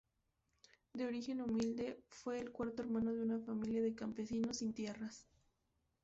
De origen humilde, fue el cuarto hermano de una familia de campesinos sin tierras.